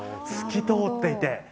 透き通っていて。